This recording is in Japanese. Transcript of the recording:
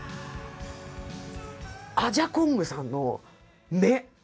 アジャコングさんの目。